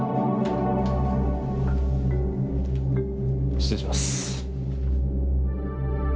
失礼します。